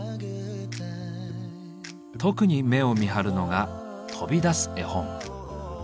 特に目を見張るのが「飛び出す絵本」。